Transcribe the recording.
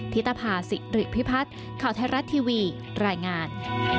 ิตภาษิริพิพัฒน์ข่าวไทยรัฐทีวีรายงาน